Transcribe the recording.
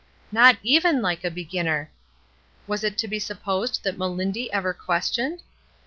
Not even like a beginner ! Was it to be sup posed that MeUndy ever questioned